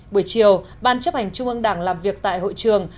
buổi chiều ban chấp hành trung ương đảng làm việc tại hội trường